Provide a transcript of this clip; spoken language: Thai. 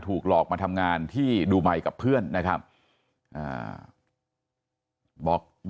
ถูกหลอกมาทำงานที่ดูไมค์กับเพื่อนนะครับบอก